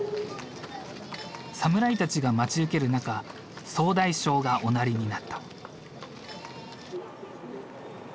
侍たちが待ち受ける中総大将がおなりになった。